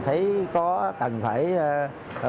thấy có cần phải báo về